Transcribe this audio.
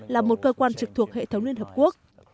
là một cơ quan trực thuộc hệ thống liên hợp quốc